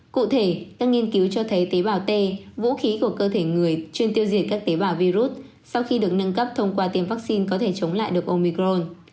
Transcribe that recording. cụ thể các nghiên cứu cho thấy tế bào t vũ khí của cơ thể người chuyên tiêu diệt các tế bào virus sau khi được nâng cấp thông qua tiêm vaccine có thể chống lại được omicron